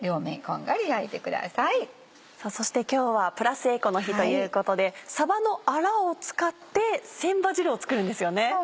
そして今日はプラスエコの日ということでさばのアラを使って「船場汁」を作るんですよね。